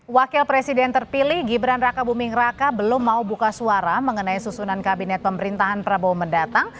wakil presiden terpilih gibran raka buming raka belum mau buka suara mengenai susunan kabinet pemerintahan prabowo mendatang